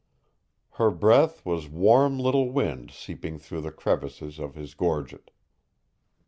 Her breath was warm little wind seeping through the crevices of his gorget.